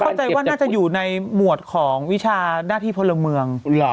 เข้าใจว่าน่าจะอยู่ในหมวดของวิชาหน้าที่พลเมือง